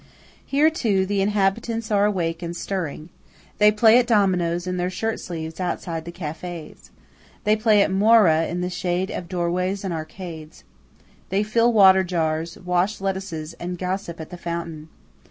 Here, too, the inhabitants are awake and stirring. They play at dominos in their shirt sleeves outside the cafés. They play at "morra" in the shade of doorways and arcades. They fill water jars, wash lettuces, and gossip at the fountain.